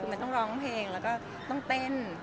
มันต้องร้องเพลงแล้วก็ต้องเต้น